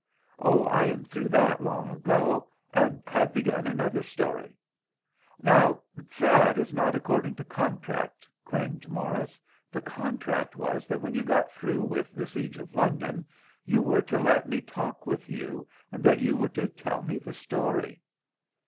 "Oh, I am through that long ago, and have begun another story." "Now, that is not according to contract," claimed Morris. "The contract was that when you got through with The Siege of London you were to let me talk with you, and that you were to tell me the story."